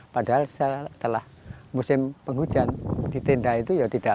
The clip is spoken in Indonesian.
padahal setelah musim penghujan di tenda itu ya tidak